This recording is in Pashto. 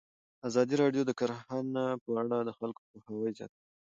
ازادي راډیو د کرهنه په اړه د خلکو پوهاوی زیات کړی.